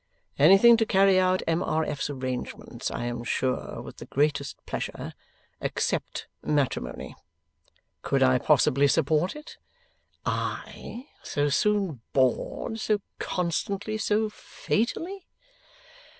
Anything to carry out M. R. F.'s arrangements, I am sure, with the greatest pleasure except matrimony. Could I possibly support it? I, so soon bored, so constantly, so fatally?